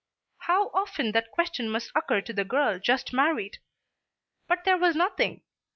How often that question must occur to the girl just married. But there was nothing.